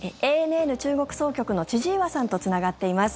ＡＮＮ中国総局の千々岩さんとつながっています。